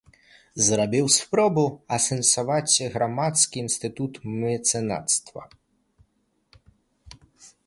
Зрабіў спробу асэнсаваць грамадскі інстытут мецэнацтва.